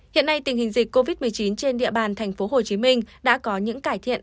hiện nay tình hình dịch covid một mươi chín trên địa bàn tp hcm đã có những cải thiện